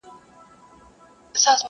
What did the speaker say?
شین طوطي کیسې د ټوکو جوړولې!!